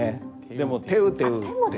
でも「てうてう」って。